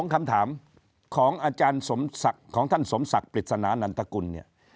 คำถามของอาจารย์ของท่านสมศักดิ์ปริศนานันตกุลเนี่ย